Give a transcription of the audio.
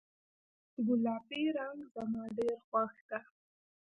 ګلابي رنګ زما ډیر خوښ ده